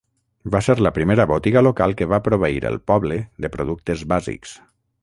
Va ser la primera botiga local que va proveir el poble de productes bàsics.